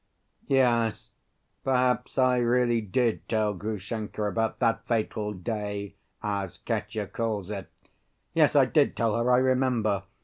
"Yes, perhaps, I really did tell Grushenka about that 'fatal day,' as Katya calls it. Yes, I did tell her, I remember!